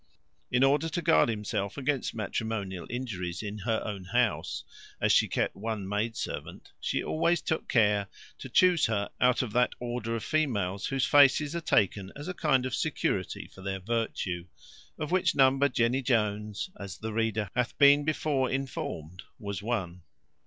In order to guard herself against matrimonial injuries in her own house, as she kept one maid servant, she always took care to chuse her out of that order of females whose faces are taken as a kind of security for their virtue; of which number Jenny Jones, as the reader hath been before informed, was one.